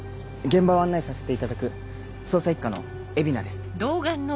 現場を案内させていただく捜査一課の蝦名です。